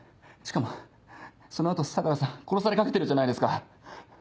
しかもその後相良さん殺されかけてるじゃないですか。